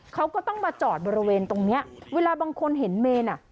เขาก็ต้องมาจอดบริเวณตรงเนี้ยเวลาบางคนเห็นเมนอ่ะ